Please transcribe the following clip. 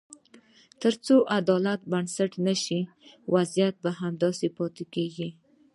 تر څو عدالت بنسټ نه شي، وضعیت همداسې پاتې کېږي.